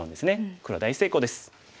黒は大成功です。